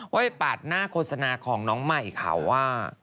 ว่าให้ปาดหน้าโฆษณาของน้องใหม่ค่ะว่า